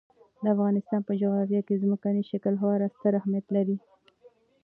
د افغانستان په جغرافیه کې ځمکنی شکل خورا ستر اهمیت لري.